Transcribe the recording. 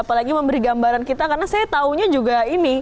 apalagi memberi gambaran kita karena saya tahunya juga ini